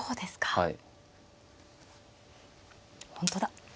はい。